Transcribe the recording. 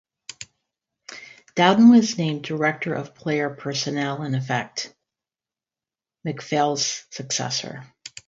Dalton was named Director of Player Personnel-in effect, MacPhail's successor.